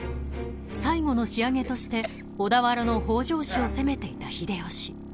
［最後の仕上げとして小田原の北条氏を攻めていた秀吉］